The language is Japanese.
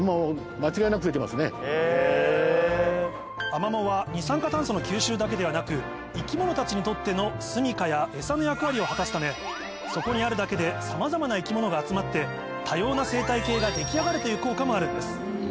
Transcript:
アマモは二酸化炭素の吸収だけではなく生き物たちにとってのすみかや餌の役割を果たすためそこにあるだけでさまざまな生き物が集まって多様な生態系が出来上がるという効果もあるんです。